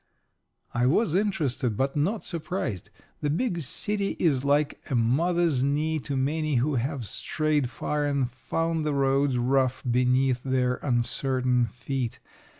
I was interested but not surprised. The big city is like a mother's knee to many who have strayed far and found the roads rough beneath their uncertain feet.